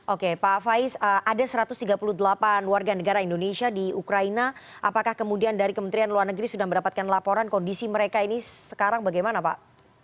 oke pak faiz ada satu ratus tiga puluh delapan warga negara indonesia di ukraina apakah kemudian dari kementerian luar negeri sudah mendapatkan laporan kondisi mereka ini sekarang bagaimana pak